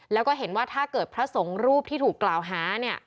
แล้วก็เห็นว่าถ้าเกิดพระสงฆ์รูปที่ถูกกล่าวหาเนี่ย